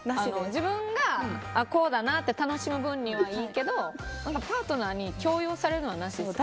自分がこうだなって楽しむ分にはいいけどパートナーに強要されるのはなしですよね。